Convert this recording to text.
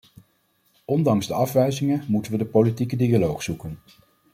Ondanks de afwijzingen moeten we de politieke dialoog zoeken.